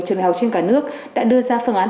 trường đại học trên cả nước đã đưa ra phương án